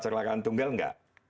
kelalaian tunggal nggak